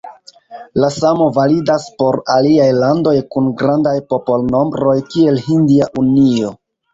La samo validas por aliaj landoj kun grandaj popolnombroj kiel Hindia Unio.